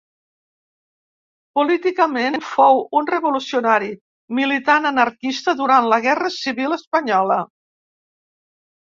Políticament, fou un revolucionari, militant anarquista durant la Guerra Civil espanyola.